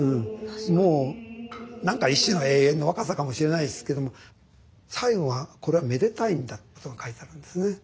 もう何か一種の永遠の若さかもしれないですけども「最後はこれはめでたいんだ」ってことが書いてあるんですね